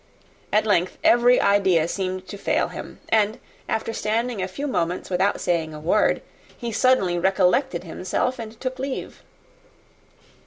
At length, every idea seemed to fail him; and after standing a few moments without saying a word, he suddenly recollected himself, and took leave.